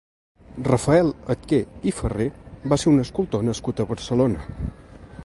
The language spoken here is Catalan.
Rafael Atché i Ferré va ser un escultor nascut a Barcelona.